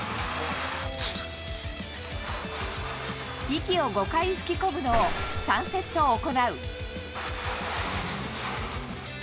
息を５回吹き込むのを３セット行う。